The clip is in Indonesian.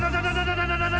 jangan jangan jangan jangan